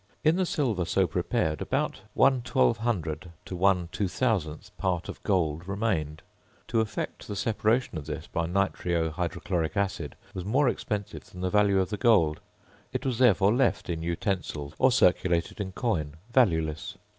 In the silver so prepared, about 1/1200 to 1/2000th part of gold remained; to effect the separation of this by nitrio hydrochloric acid was more expensive than the value of the gold; it was therefore left in utensils, or circulated in coin, valueless.